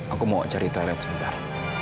aku mau cari toilet sebentar